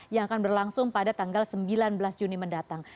yang akan berlangsung pada tanggal sembilan belas juni mendatang